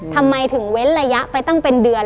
ทำไมถึงเว้นระยะไปตั้งเป็นเดือน